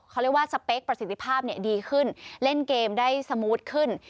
เขาเรียกว่าสเปคประสิทธิภาพดีขึ้นเล่นเกมได้สมูทขึ้น